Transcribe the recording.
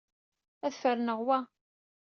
Ad ferneɣ wa.